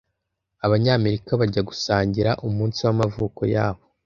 abanyamerika bajya gusangira umunsi wamavuko yabo